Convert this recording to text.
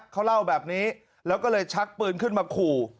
เขาเล่าแบบนี้แล้วก็เลยชักปืนขึ้นมาขู่